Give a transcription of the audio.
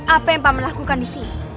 apa yang pak melakukan disini